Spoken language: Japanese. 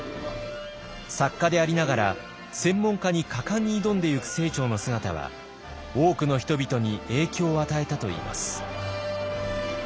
作家でありながら専門家に果敢に挑んでゆく清張の姿は多くの人々に影響を与えたといいます。